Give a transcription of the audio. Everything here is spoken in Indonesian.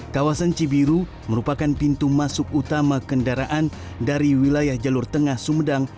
kawasan cibiru merupakan pintu masuk utama kendaraan dari wilayah jalur tengah sumedang